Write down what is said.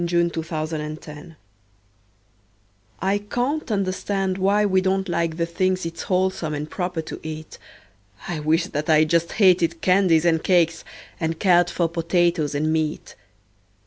Edgar Fawcett A Sad Case I CAN'T understand why we don't like the things It's wholesome and proper to eat; I wish that I just hated candies and cakes, And cared for potatoes and meat.